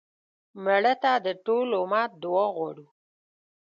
مړه ته د ټول امت دعا غواړو